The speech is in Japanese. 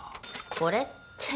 これって。